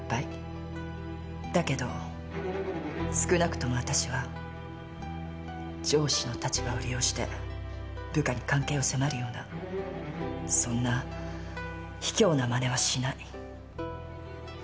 だけど少なくともわたしは上司の立場を利用して部下に関係を迫るようなそんなひきょうなマネはしない。